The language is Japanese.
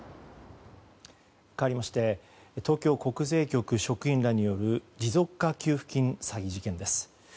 かわりまして東京国税局職員らによる持続化給付金詐欺事件です。